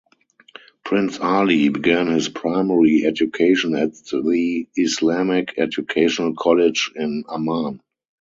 Prince Ali began his primary education at the Islamic Educational College in Amman.